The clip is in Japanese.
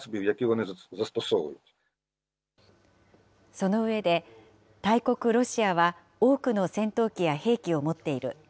その上で、大国ロシアは、多くの戦闘機や兵器を持っている。